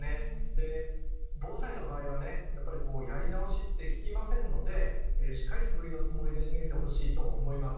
で防災の場合はねやっぱりやり直しってききませんのでしっかり素振りのつもりで逃げてほしいと思います。